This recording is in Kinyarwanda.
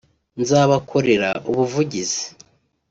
nzabakorera ubuvugizi